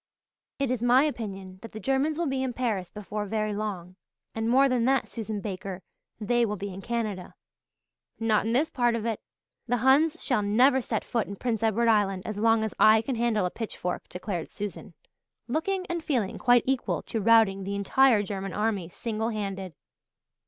"It is my opinion that the Germans will be in Paris before very long and more than that, Susan Baker, they will be in Canada." "Not in this part of it. The Huns shall never set foot in Prince Edward Island as long as I can handle a pitchfork," declared Susan, looking, and feeling quite equal to routing the entire German army single handed.